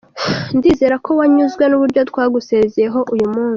Ndizera ko wanyuzwe n’uburyo twagusezeyeho uyu munsi.